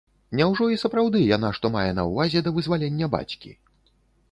Няўжо і сапраўды яна што мае на ўвазе да вызвалення бацькі?